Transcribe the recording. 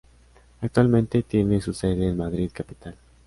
Actualmente tiene su sede en Madrid capital.